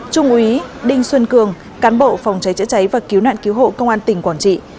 trung úy đinh xuân cường cán bộ phòng cháy chữa cháy và cứu nạn cứu hộ công an tỉnh quảng trị